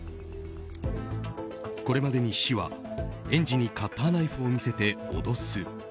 これまでに市は園児にカッターナイフを見せて脅す。